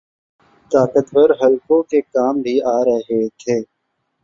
طاقتور حلقوں کے کام بھی آرہے تھے۔